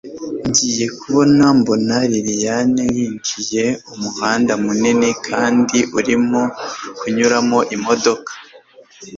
ngiye kubona mbona lilian yinjiye umuhanda munini kandi urimo kunyuramo imodoka